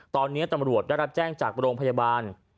ตอนนี้ตำรวจได้รับแจ้งจากโรงพยาบาล